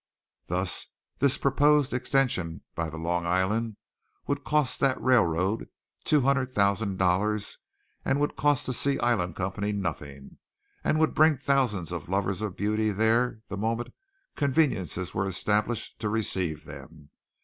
Thus this proposed extension by the Long Island which would cost that railroad two hundred thousand dollars would cost the Sea Island Company nothing and would bring thousands of lovers of beauty there the moment conveniences were established to receive them.